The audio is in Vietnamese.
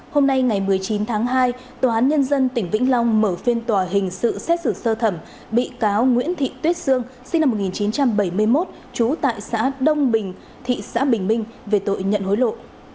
hôm nay ngày một mươi chín tháng hai tòa án nhân dân tỉnh vĩnh long mở phiên tòa hình sự xét xử sơ thẩm bị cáo nguyễn thị tuyết sương sinh năm một nghìn chín trăm bảy mươi một trú tại xã đông bình thị xã bình minh về tội nhận hối lộ